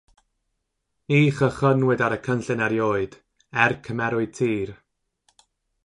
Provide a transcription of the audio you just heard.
Ni chychwynnwyd ar y cynllun erioed, er cymerwyd tir.